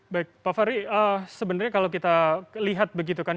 baik pak fahri sebenarnya kalau kita lihat begitu kan